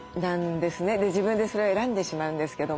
で自分でそれを選んでしまうんですけども。